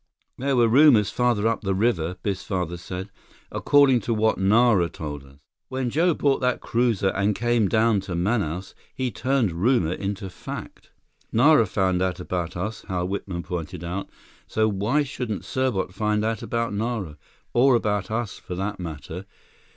"There were rumors farther up the river," Biff's father said, "according to what Nara told us. When Joe bought that cruiser and came down to Manaus, he turned rumor into fact." "Nara found out about us," Hal Whitman pointed out, "so why shouldn't Serbot find out about Nara? Or about us, for that matter?